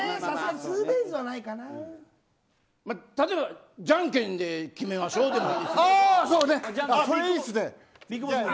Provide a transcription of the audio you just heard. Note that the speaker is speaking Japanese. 例えばじゃんけんで決めましょうでも。